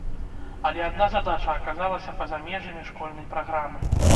Але адна задача аказалася па-за межамі школьнай праграмы.